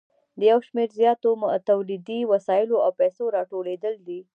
د یو شمېر زیاتو تولیدي وسایلو او پیسو راټولېدل دي